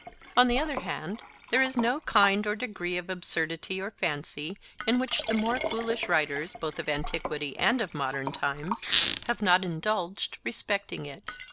On the other hand there is no kind or degree of absurdity or fancy in which the more foolish writers, both of antiquity and of modern times, have not indulged respecting it.